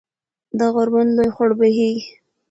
د غوربند لوے خوړ بهېږي